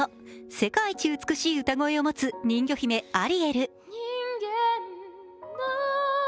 世界一美しい歌声を持つ人魚姫・アリエル。